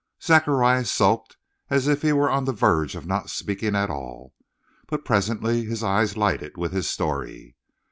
Zacharias sulked as if he were on the verge of not speaking at all. But presently his eye lighted with his story.